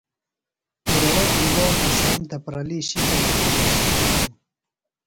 ایڑوۡ انگور اسام تھےۡ پرلی شِکل کیۡ پشِجانوۡ۔